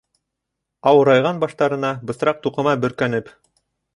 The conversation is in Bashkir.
Ауырайған баштарына бысраҡ туҡыма бөркәнеп...